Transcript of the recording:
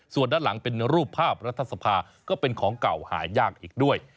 ส่วนด้านหลังเป็นรูปภาพรัฐสภาก็เป็นของเก่าหายากอีกด้วย